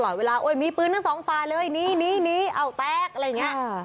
ตลอดเวลาโอ๊ยมีปืนหนึ่งสองฟ้าเลยนี่เอาแต๊กอะไรอย่างนี้